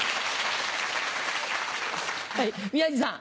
はい宮治さん。